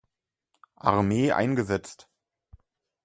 Armee eingesetzt.